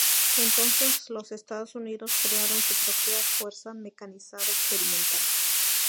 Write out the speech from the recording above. Entonces los Estados Unidos crearon su propia fuerza mecanizada experimental.